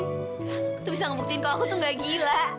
aku tuh bisa ngebuktiin kalau aku tuh gak gila